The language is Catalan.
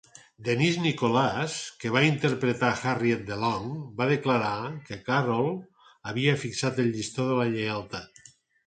Denise Nicholas, que va interpretar Harriet Delong, va declarar que Carroll havia fixat el llistó de la lleialtat.